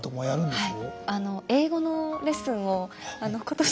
はい。